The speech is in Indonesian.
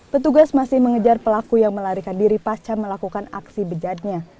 petugas masih mengejar pelaku yang melarikan diri pasca melakukan aksi bejatnya